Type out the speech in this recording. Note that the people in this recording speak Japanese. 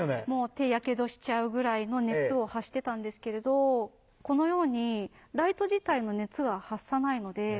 もう手ヤケドしちゃうぐらいの熱を発してたんですけれどこのようにライト自体の熱は発さないので。